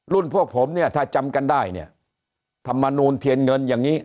พวกผมเนี่ยถ้าจำกันได้เนี่ยธรรมนูลเทียนเงินอย่างนี้